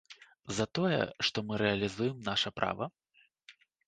За тое, што мы рэалізуем наша права?